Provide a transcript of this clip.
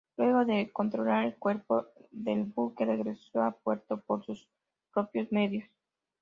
Luego de controlar el fuego el buque regresó a puerto por sus propios medios.